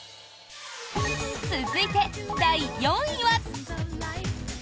続いて、第４位は。